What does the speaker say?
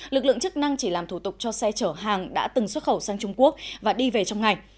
lực lượng chức năng chỉ làm thủ tục cho xe chở hàng đã từng xuất khẩu sang trung quốc và đi về trong ngày